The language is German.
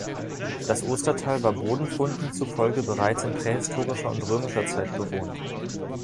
Das Ostertal war Bodenfunden zufolge bereits in prähistorischer und römischer Zeit bewohnt.